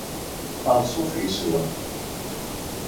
Anṣuf yes-wen.